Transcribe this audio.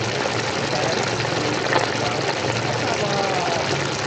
mute. tu. wan. o tawa!